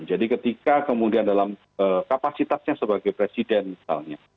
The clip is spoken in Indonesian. jadi ketika kemudian dalam kapasitasnya sebagai presiden misalnya